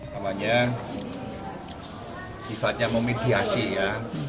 namanya sifatnya memidiasi ya